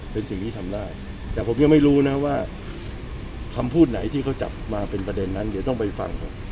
เป็นสิ่งที่ทำได้แต่ผมยังไม่รู้นะว่าคำพูดไหนที่เขาจับมาเป็นมันต้องไปฟัง